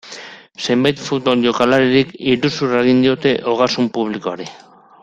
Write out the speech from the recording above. Zenbait futbol jokalarik iruzurra egin diote ogasun publikoari.